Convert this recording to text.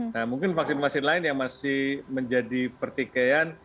nah mungkin vaksin vaksin lain yang masih menjadi pertikaian